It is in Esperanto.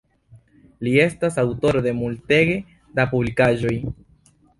Li estas aŭtoro de multege da publikigaĵoj.